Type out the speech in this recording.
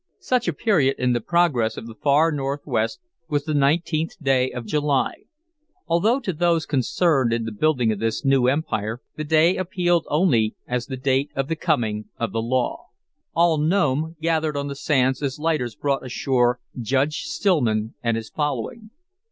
Such a period in the progress of the Far Northwest was the nineteenth day of July, although to those concerned in the building of this new empire the day appealed only as the date of the coming of the law. All Nome gathered on the sands as lighters brought ashore Judge Stillman and his following.